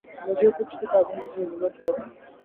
مجھے کچھ کتابوں کی ضرورت ہے۔